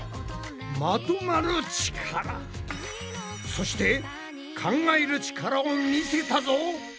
そして考える力をみせたぞ！